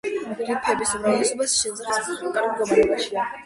რიფების უმრავლესობა, სიჯანსაღის მხრივ, კარგ მდგომარეობაშია.